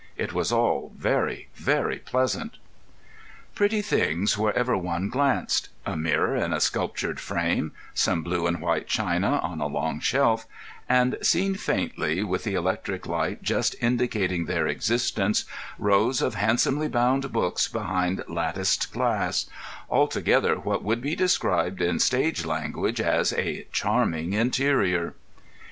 It was all very, very pleasant. Pretty things wherever one glanced—a mirror in a sculptured frame, some blue and white china on a long shelf, and, seen faintly, with the electric light just indicating their existence, rows of handsomely bound books behind latticed glass; altogether what would be described in stage language as a charming interior.